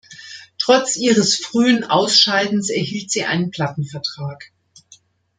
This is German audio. Trotz ihres frühen Ausscheidens erhielt sie einen Plattenvertrag.